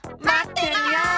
まってるよ！